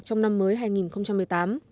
trong năm mới hai nghìn một mươi tám